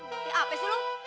berarti apa sih lo